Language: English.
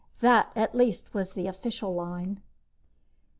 That, at least, was the official line.